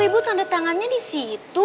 ibu tanda tangannya di situ